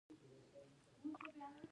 د آمریت د اوامرو رعایت ارزیابي کیږي.